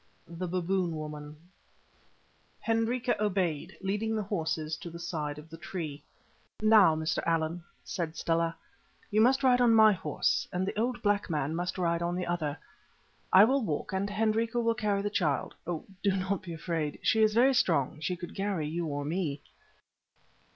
THE BABOON WOMAN Hendrika obeyed, leading the horses to the side of the tree. "Now, Mr. Allan," said Stella, "you must ride on my horse, and the old black man must ride on the other. I will walk, and Hendrika will carry the child. Oh, do not be afraid, she is very strong, she could carry you or me."